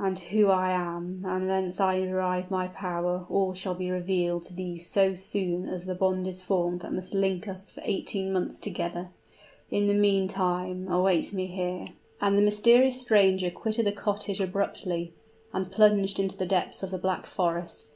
"And who I am, and whence I derive my power, all shall be revealed to thee so soon as the bond is formed that must link us for eighteen months together! In the meantime, await me here!" And the mysterious stranger quitted the cottage abruptly, and plunged into the depths of the Black Forest.